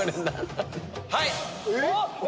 はい！